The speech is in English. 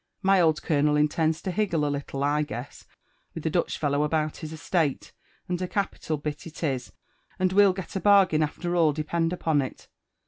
My old colonel intends to higgle a little, I guess, wilh the Dutch fellow about his estate; and a capital bit it is, and we'll get a bargain after all. depend upon it.